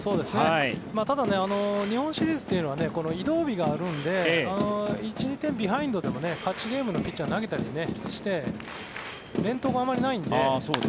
ただ、日本シリーズというのは移動日があるんで１、２点ビハインドでも勝ちゲームのピッチャー投げたりして連投があまりないので。